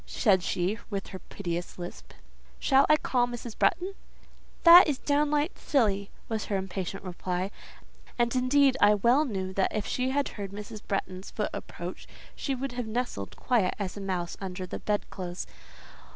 said she, with her piteous lisp. "Shall I call Mrs. Bretton?" "That is downright silly," was her impatient reply; and, indeed, I well knew that if she had heard Mrs. Bretton's foot approach, she would have nestled quiet as a mouse under the bedclothes.